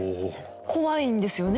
怖いんですよね？